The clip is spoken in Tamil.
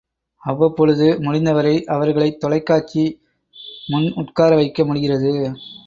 அவ்வப்பொழுது முடிந்தவரை அவர்களைத் தொலைக்காட்சி முன் உட்கார வைக்க முடிகிறது.